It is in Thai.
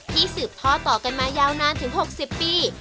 สืบท่อต่อกันมายาวนานถึง๖๐ปี